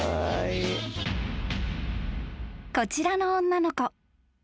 ［こちらの女の子］